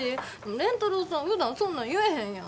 蓮太郎さんふだんそんなん言えへんやん。